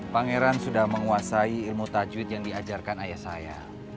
pangeran sudah menguasai ilmu tajwid yang diajarkan ayah saya